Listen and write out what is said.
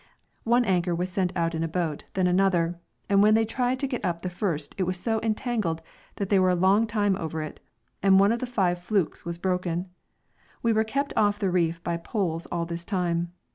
One anchor was sent out in a boat and then another, and when they tried to get up the first it was so entangled that they were a long time over it, and one of the five flukes was broken. We were kept off the reef by poles all this time.